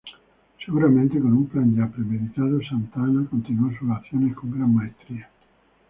Seguramente con un plan ya premeditado, Santa Anna continuó sus acciones con gran maestría.